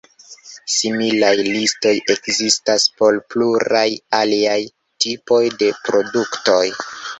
Similaj listoj ekzistas por pluraj aliaj tipoj de produktoj.